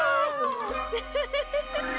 ウフフフフ。